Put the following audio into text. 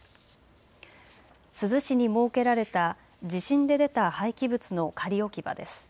珠洲市に設けられた地震で出た廃棄物の仮置き場です。